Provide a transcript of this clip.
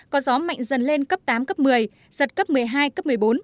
có gió mạnh dần lên cấp tám cấp một mươi giật cấp một mươi hai cấp một mươi bốn